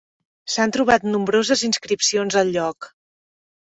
S'han trobat nombroses inscripcions al lloc.